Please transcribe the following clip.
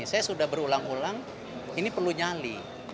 saya sudah berulang ulang ini perlu nyali